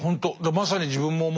まさに自分も思った。